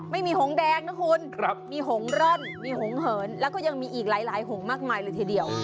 ไม่มีหงแดงนะคุณมีหงร่อนมีหงเหินแล้วก็ยังมีอีกหลายหงมากมายเลยทีเดียว